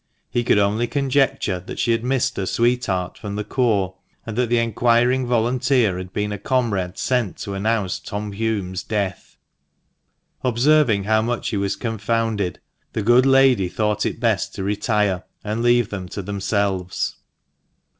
He could only conjecture that she had missed her sweetheart from the corps, and that the enquiring volunteer had been a comrade sent to announce Tom Hulme's death. Observing how much he was confounded, the good lady thought it best to retire, and leave them to themselves.